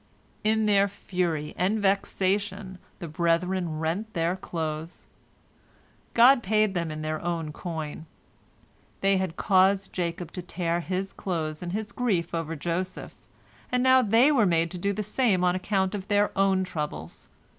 " In their fury and vexation, the brethren rent their clothes. God paid them in their own coin. They had caused Jacob to tear his clothes in his grief over Joseph, and now they were made to do the same on account of their own troubles.